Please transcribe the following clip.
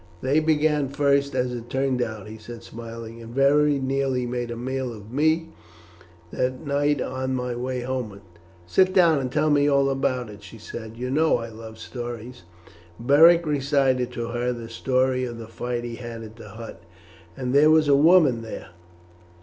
"They began first, as it turned out," he said smiling, "and very nearly made a meal of me that night on my way homeward." "Sit down and tell me all about it," she said. "You know I love stories." Beric recited to her the story of the fight at the hut. "And there was a woman there!